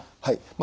はい。